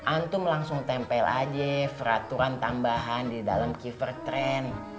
antum langsung tempel aja peraturan tambahan di dalam kievertrend